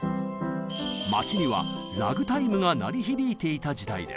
街にはラグタイムが鳴り響いていた時代です。